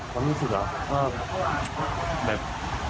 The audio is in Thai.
ความรู้สึกเหรอว่าแบบ